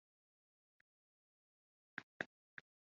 yefuta yasenze imana kugira ngo imufashe gutsinda